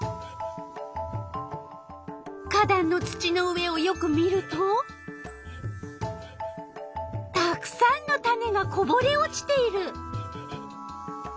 花だんの土の上をよく見るとたくさんの種がこぼれ落ちている。